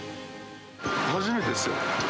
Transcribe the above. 初めてですよ。